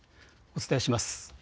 お伝えします。